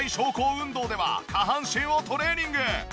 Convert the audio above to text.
運動では下半身をトレーニング！